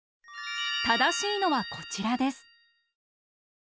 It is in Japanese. ただしいのはこちらです。